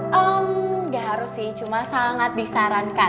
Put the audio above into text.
hmm nggak harus sih cuma sangat disarankan